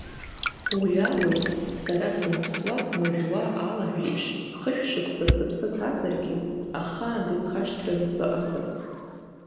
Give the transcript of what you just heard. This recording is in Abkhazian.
Уи ауаҩ, сара сымԥсуа-смажәуа алаҳәеиԥш хышә шықәса сыԥсы ҭазаргьы, ахаан дысхашҭраны сыҟаӡам.